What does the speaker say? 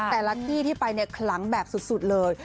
แต่ละที่ที่ไปเนี่ยคลังแบบสุดเลย